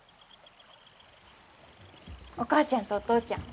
お母ちゃんとお父ちゃん